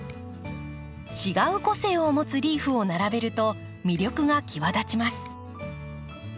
違う個性をもつリーフを並べると魅力がきわだちます。